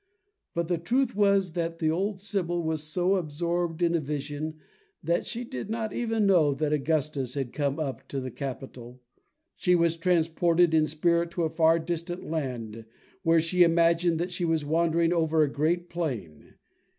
But the truth was that the old sibyl was so absorbed in a vision that she did not even know that Augustus had come up to the Capitol. She was transported in spirit to a far distant land, where she imagined that she was wandering over a great plain.